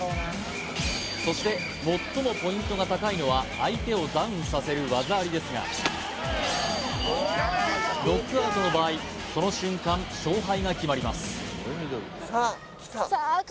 そして最もポイントが高いのは相手をダウンさせる技ありですがノックアウトの場合その瞬間勝敗が決まりますさあ来たさあ